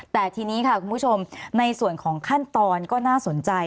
แต่ทีนี้ค่ะคุณผู้ชมในส่วนของขั้นตอนก็น่าสนใจ